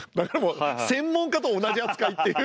専門家と同じ扱いっていう。